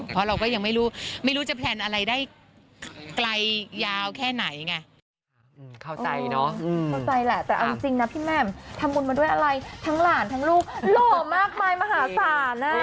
ทั้งหลานทั้งลูกหล่อมากมายมหาศาล